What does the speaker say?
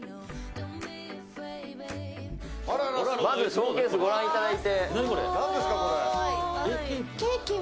まずショーケースご覧いただいて。